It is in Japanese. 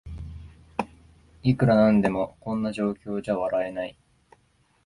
いくらなんでもこんな状況じゃ笑えない